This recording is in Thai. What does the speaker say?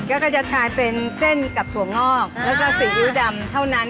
ก็จะทายเป็นเส้นกับถั่วงอกแล้วก็ซีอิ๊วดำเท่านั้น